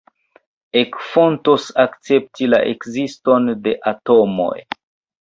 Ekfantos akceptis la ekziston de atomoj.